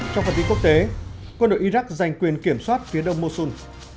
trong phần tính quốc tế quân đội iraq giành quyền kiểm soát phía đông mosul